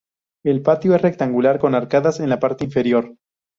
El patio es rectangular con arcadas en la parte inferior.